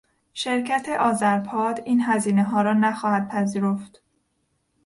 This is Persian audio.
شرکت آذرپاد این هزینهها را نخواهد پذیرفت.